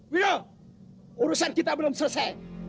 will urusan kita belum selesai